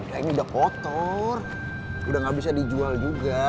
udah ini udah kotor udah gak bisa dijual juga